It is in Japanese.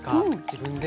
自分で。